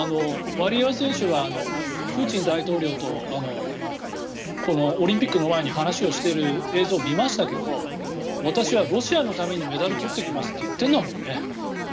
ワリエワ選手がプーチン大統領とオリンピックの前に話をしている映像を見ましたけど私はロシアのためにメダル取ってきますって言ってるんだもんね。